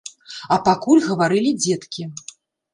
А пакуль гаварылі дзеткі.